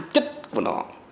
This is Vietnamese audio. chất của nó